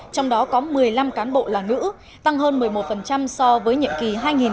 trong đó có một mươi năm cán bộ là nữ tăng hơn một mươi một so với nhiệm ký hai nghìn một mươi hai nghìn một mươi năm